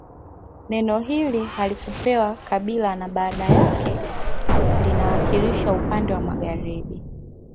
Neno hili halikupewa kabila na badala yake linawakilisha upande wa magharibi